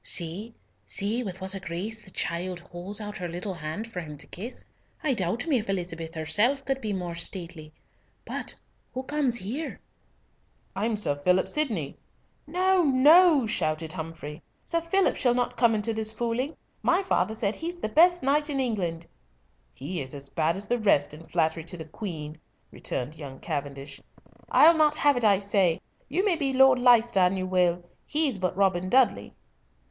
See! see! with what a grace the child holds out her little hand for him to kiss. I doubt me if Elizabeth herself could be more stately. But who comes here?" "I'm Sir Philip Sydney." "No, no," shouted Humfrey, "Sir Philip shall not come into this fooling. My father says he's the best knight in England." "He is as bad as the rest in flattery to the Queen," returned young Cavendish. "I'll not have it, I say. You may be Lord Leicester an you will! He's but Robin Dudley."